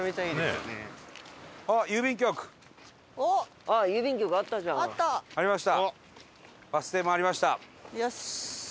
よし！